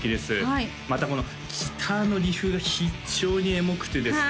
はいまたこのギターのリフが非常にエモくてですね